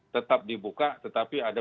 tetap dibuka tetapi ada